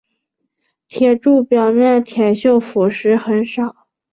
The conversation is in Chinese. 铁柱表面铁锈腐蚀很少。